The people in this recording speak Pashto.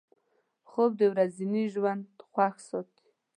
خوب د ورځني ژوند خوښ ساتي